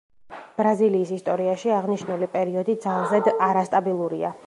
ბრაზილიის ისტორიაში აღნიშნული პერიოდი ძალზედ არასტაბილურია.